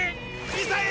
みさえ！